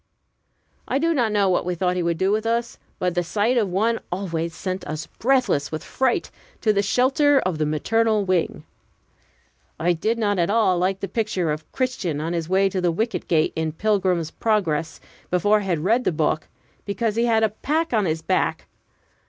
I do not know what we thought he would do with us, but the sight of one always sent us breathless with fright to the shelter of the maternal wing. I did not at all like the picture of Christian on his way to the wicket gate, in "Pilgrim's Progress," before I had read the book, because he had "a pack on his back."